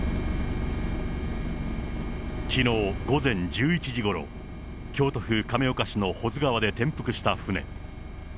きのう午前１１時ごろ、京都府亀岡市の保津川で転覆した船。